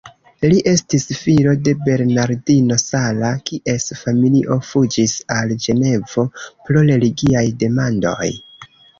Li estis filo de Bernardino Sala, kies familio fuĝis al Ĝenevo pro religiaj demandoj.